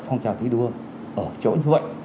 phòng chống thi đua ở chỗ như vậy